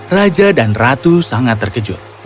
raja dan ratu sangat terkejut